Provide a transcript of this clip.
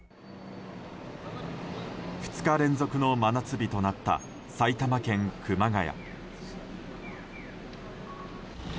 ２日連続の真夏日となった埼玉県熊谷。